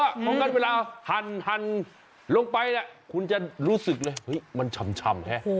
เพราะว่าของกันเวลาหันลงไปคุณจะรู้สึกเลยมันช่ำแหละ